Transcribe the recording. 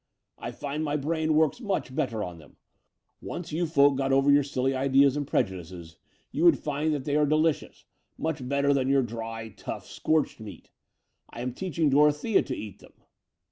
I find my brain works much better on them. Once you folk got over your silly ideas and prejudices you would find that i66 The Door of the Unreal they are delicious — ^much better than your dry, tough, scorched meat. I am teaching Dorothea to eat them."